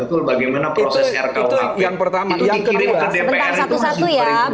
itu dikirim ke dpr itu masih beribu